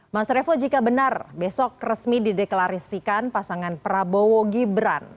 mas revo jika benar besok resmi dideklarasikan pasangan prabowo gibran